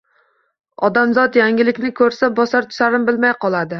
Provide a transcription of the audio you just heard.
Odamzot yangilikni ko‘rsa, bosar-tusarini bilmay qoladi.